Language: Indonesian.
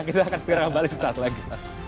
kita akan segera balik suatu lagi